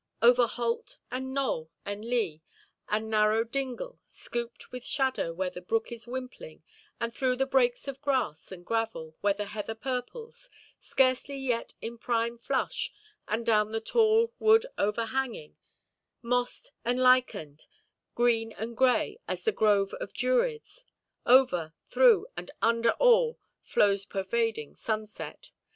Over holt, and knoll, and lea, and narrow dingle, scooped with shadow where the brook is wimpling, and through the breaks of grass and gravel, where the heather purples, scarcely yet in prime flush, and down the tall wood overhanging, mossed and lichened, green and grey, as the grove of Druids—over, through, and under all flows pervading sunset.